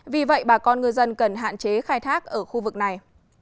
vì vậy bà con ngư dân cần hạn chế khai thác ở khu vực này